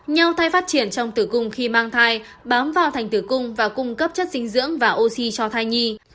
nhau thay phát triển trong tử cung khi mang thai bám vào thành tử cung và cung cấp chất dinh dưỡng và oxy cho thai nhi